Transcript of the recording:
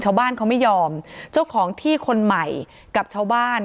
ชาวบ้านเขาไม่ยอมเจ้าของที่คนใหม่กับชาวบ้าน